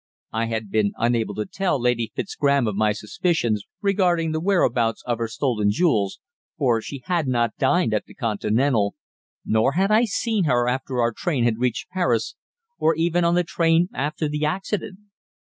I had been unable to tell Lady Fitzgraham of my suspicions regarding the whereabouts of her stolen jewels, for she had not dined at the "Continental," nor had I seen her after our train had reached Paris, or even on the train after the accident.